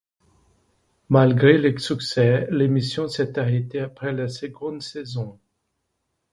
Malgré le succès, l'émission s'est arrêtée après la seconde saison.